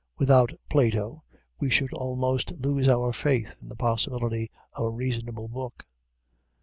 Without Plato, we should almost lose our faith in the possibility of a reasonable book.